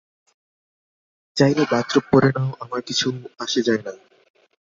চাইলে বাথরোব পরে নাও, আমার কিছু আসে-যায় না।